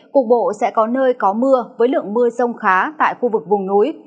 cục bộ sẽ có nơi có mưa với lượng mưa rông khá tại khu vực vùng núi